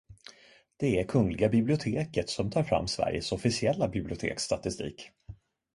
Det är Kungliga biblioteket som tar fram Sveriges officiella biblioteksstatistik.